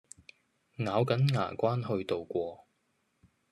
咬緊牙關去渡過